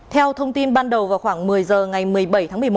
theo thông tin ban đầu vào khoảng một mươi h ngày một mươi bảy tháng một mươi một